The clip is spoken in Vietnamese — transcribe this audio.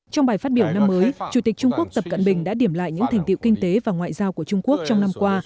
trong bài phát biểu năm mới chủ tịch trung quốc tập cận bình đã điểm lại những thành tiệu kinh tế và ngoại giao của trung quốc trong năm qua